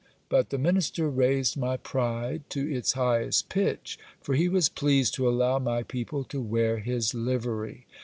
But the minister raised my pride to its highest pitch, for he was pleased to allow my people to wear his livery.